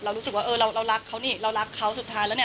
เรารู้สึกว่าเรารักเขานี่เรารักเขาสุดท้ายแล้ว